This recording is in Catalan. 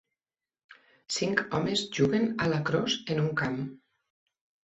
Cinc homes juguen a lacrosse en un camp.